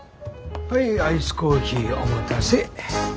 はいアイスコーヒーお待たせ。